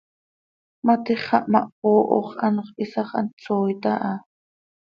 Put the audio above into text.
Matix xah ma hpooho x, anxö hiisax hant sooit aha.